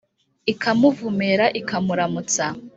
ikamuvumera ikamuramutsa.